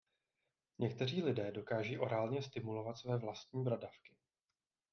Někteří lidé dokáží orálně stimulovat své vlastní bradavky.